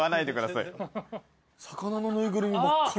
魚の縫いぐるみばっかり。